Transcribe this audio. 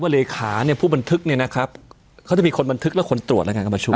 เลขาเนี่ยผู้บันทึกเนี่ยนะครับเขาจะมีคนบันทึกและคนตรวจและการประชุม